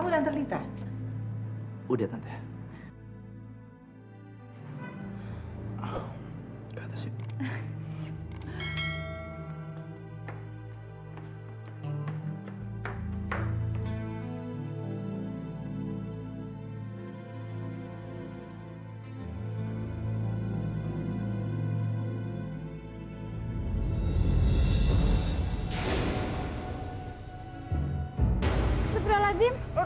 rudi kamu udah antar lita